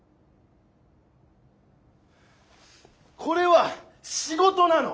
これは仕事なの！